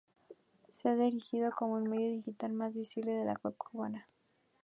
Se ha erigido como el medio digital más visible de la web cubana.